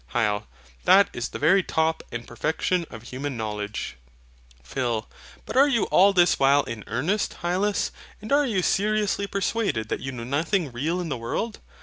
HYL. That is the very top and perfection of human knowledge. PHIL. But are you all this while in earnest, Hylas; and are you seriously persuaded that you know nothing real in the world?